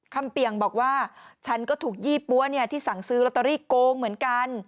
เปียงบอกว่าฉันก็ถูกยี่ปั๊วที่สั่งซื้อลอตเตอรี่โกงเหมือนกัน